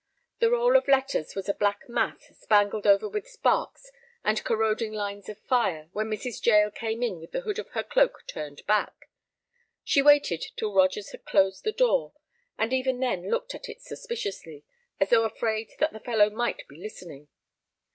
The roll of letters was a black mass spangled over with sparks and corroding lines of fire when Mrs. Jael came in with the hood of her cloak turned back. She waited till Rogers had closed the door, and even then looked at it suspiciously, as though afraid that the fellow might be listening.